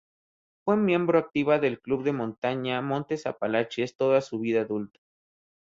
Fue miembro activa del Club de montaña Montes Apalaches toda su vida adulta.